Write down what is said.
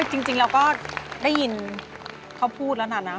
จริงเราก็ได้ยินเขาพูดแล้วนะ